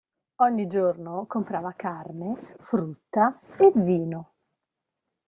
Ogni giorno comprava carne, frutta, e vino.